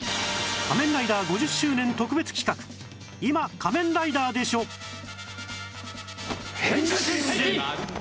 『仮面ライダー』５０周年特別企画「今仮面ライダーでしょ！」変身！